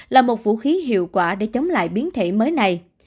là một vũ khí hiệu quả để chống lại biến thể mới này